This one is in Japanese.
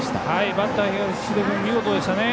バッター、東出君見事でしたね。